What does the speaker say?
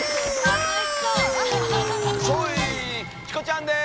チコちゃんです。